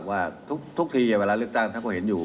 ว่าทุกทีเวลาเลือกตั้งท่านก็เห็นอยู่